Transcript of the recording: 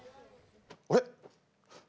あれ？